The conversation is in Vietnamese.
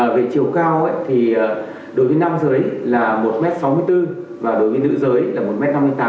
về chiều cao thì đối với nam giới là một m sáu mươi bốn và đối với nữ giới là một m năm mươi tám